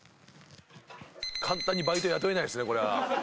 簡単にバイト雇えないですねこれは。